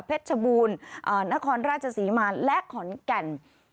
เพชรชบูลนครราชศรีมารและขอนแก่น